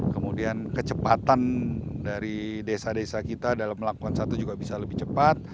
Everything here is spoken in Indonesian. kemudian kecepatan dari desa desa kita dalam melakukan satu juga bisa lebih cepat